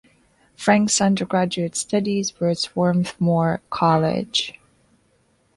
Frank's undergraduate studies were at Swarthmore College.